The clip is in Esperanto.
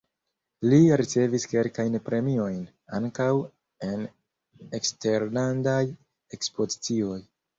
Li ricevis kelkajn premiojn, ankaŭ en eksterlandaj ekspozicioj.